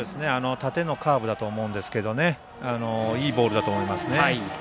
縦のカーブだと思うんですがいいボールだと思います。